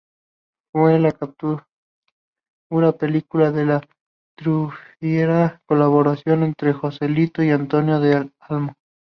Fue la cuarta película de la fructífera colaboración entre Joselito y Antonio del Amo.